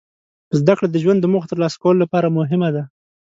زدهکړه د ژوند د موخو ترلاسه کولو لپاره مهمه ده.